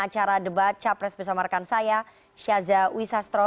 cara debat capres bersama rekan saya syaza uyisastro